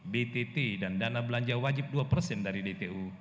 btt dan dana belanja wajib dua persen dari dtu